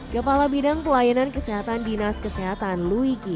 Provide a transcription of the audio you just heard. gepala bidang pelayanan kesehatan dinas kesehatan luigi